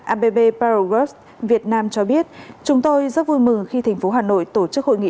abb paragroups việt nam cho biết chúng tôi rất vui mừng khi thành phố hà nội tổ chức hội nghị